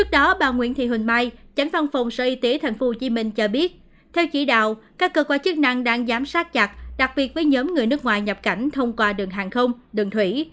sở y tế thành phố hồ chí minh cho biết theo chỉ đạo các cơ quan chức năng đang giám sát chặt đặc biệt với nhóm người nước ngoài nhập cảnh thông qua đường hàng không đường thủy